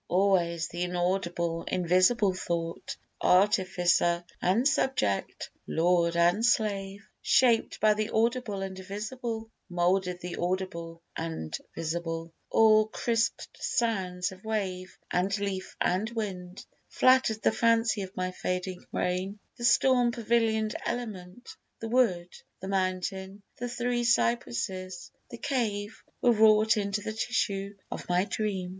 Always th' inaudible, invisible thought Artificer and subject, lord and slave Shaped by the audible and visible, Moulded the audible and visible; All crisped sounds of wave, and leaf and wind, Flatter'd the fancy of my fading brain; The storm pavilion'd element, the wood, The mountain, the three cypresses, the cave, Were wrought into the tissue of my dream.